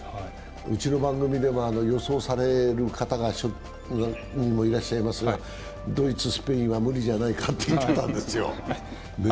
うちの番組でも予想される方がいらっしゃいますが、ドイツ・スペインは無理じゃないかって言ってたんですよ。